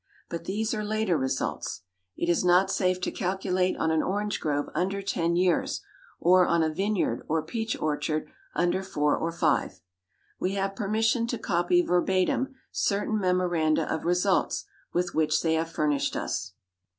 But these are later results. It is not safe to calculate on an orange grove under ten years, or on a vineyard or peach orchard under four or five. We have permission to copy verbatim certain memoranda of results with which they have furnished us.